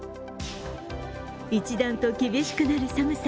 一段と厳しくなる寒さ。